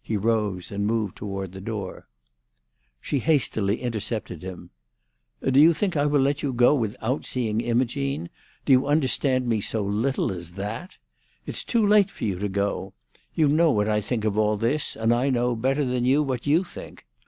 He rose, and moved toward the door. She hastily intercepted him. "Do you think I will let you go without seeing Imogene? Do you understand me so little as that? It's too late for you to go! You know what I think of all this, and I know, better than you, what you think.